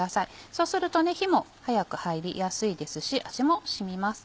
そうすると火も早く入りやすいですし味も染みます。